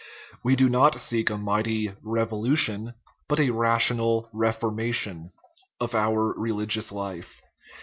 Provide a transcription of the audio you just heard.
We do not seek a mighty revolution, but a rational reforma tion, of our religious life.